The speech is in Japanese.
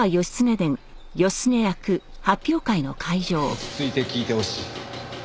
落ち着いて聞いてほしい。